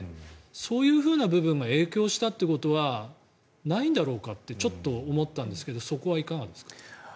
そういうふうな部分が影響したということはないんだろうかってちょっと思ったんですけどそこはいかがですか？